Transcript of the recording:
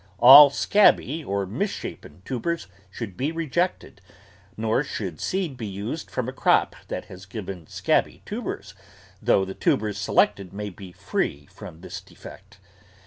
All scabby or misshapen tubers should be rejected, nor should seed be used from a crop that has given scabby tubers, though the tubers selected may be free from this defect.